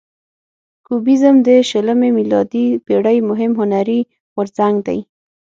کوبیزم د شلمې میلادي پیړۍ مهم هنري غورځنګ دی.